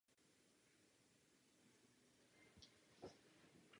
Arménie nemá biskupskou konferenci.